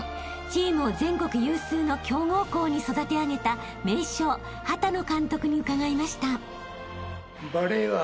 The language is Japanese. ［チームを全国有数の強豪校に育て上げた名将畑野監督に伺いました］